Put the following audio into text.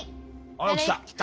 おっ来た！